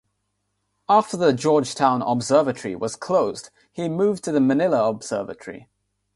After the Georgetown Observatory was closed he moved to the Manila Observatory.